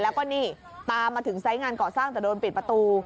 แล้วก็นี่ตามมาถึงไซส์งานก่อสร้างแต่โดนปิดประตู